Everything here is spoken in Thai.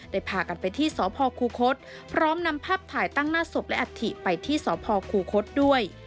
พากันไปที่สพคูคศพร้อมนำภาพถ่ายตั้งหน้าศพและอัฐิไปที่สพคูคศด้วย